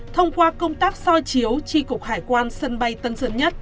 thông qua công tác soi chiếu tri cục hải quan sân bay tân sơn nhất